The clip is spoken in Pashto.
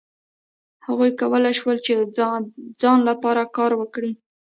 هغوی کولای شول چې د ځان لپاره کار وکړي.